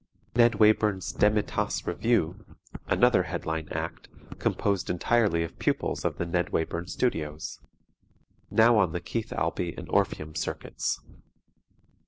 "NED WAYBURN'S DEMI TASSE REVUE" another headline act, composed entirely of pupils of the Ned Wayburn Studios. Now on the Keith Albee and Orpheum Circuits.